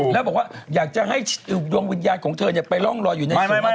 เพราะว่าอยากจะให้ดวงวิญญาณของเธอไปร่องรออยู่ในศพอาการ